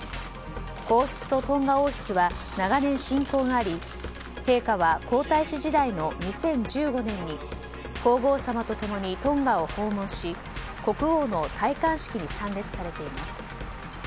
皇室とトンガ王室は長年、親交があり陛下は皇太子時代の２０１５年に皇后さまと共にトンガを訪問し国王の戴冠式に参列されています。